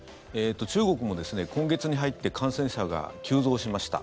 中国もですね、今月に入って感染者が急増しました。